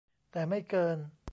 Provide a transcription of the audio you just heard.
แต่ไม่เกิน